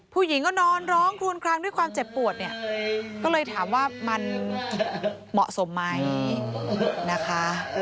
ผู้หญิงก็นอนร้องคลวนคลังด้วยความเจ็บปวดเนี่ยก็เลยถามว่ามันเหมาะสมไหมนะคะ